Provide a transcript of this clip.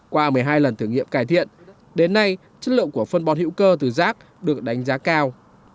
qua một mươi hai lần thử nghiệm cải thiện đến nay chất lượng của phân bón hữu cơ từ rác được đánh giá cao